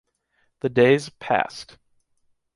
The days passed.